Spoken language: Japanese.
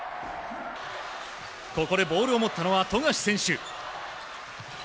ここでボールを持ったのは富樫選手。